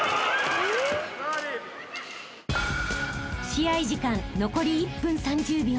［試合時間残り１分３０秒］